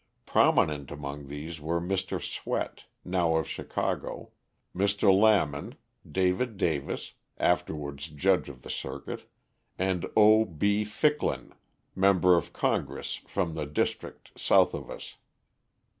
Prominent among these were Mr Swett, now of Chicago. Mr. Lamon, David Davis, afterwards judge of the circuit, and O. B. Ficklin, member of Congress from the district south of us.